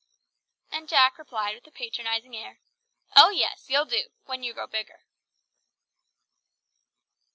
And Jack replied with a patronising air. "Oh yes, you'll do, when you grow bigger."